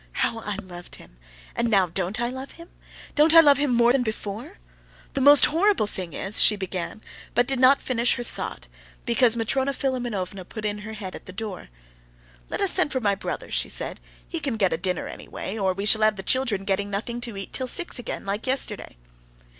How I loved him! And now don't I love him? Don't I love him more than before? The most horrible thing is," she began, but did not finish her thought, because Matrona Philimonovna put her head in at the door. "Let us send for my brother," she said; "he can get a dinner anyway, or we shall have the children getting nothing to eat till six again, like yesterday."